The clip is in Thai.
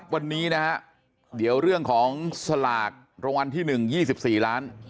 วันนี้นะฮะเดี๋ยวเรื่องของสลากรางวัลที่๑๒๔ล้าน